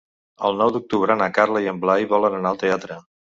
El nou d'octubre na Carla i en Blai volen anar al teatre.